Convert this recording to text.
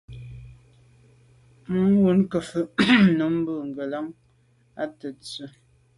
Manwù ke mfôg num mo’ ngelan à tèttswe’.